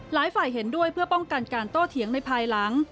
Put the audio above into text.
หลายฝ่ายเห็นด้วยเพื่อป้องกันการโต้เถียงในภายหลัง